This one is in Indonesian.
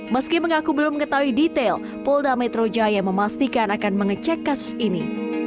meski mengaku belum mengetahui detail polda metro jaya memastikan akan mengecek kasus ini